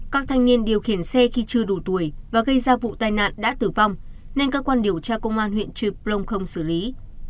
các thanh niên điều khiển xe khi chưa đủ tuổi và gây ra vụ tai nạn đã tử vong nên cơ quan điều tra công an huyện trư prong không xử lý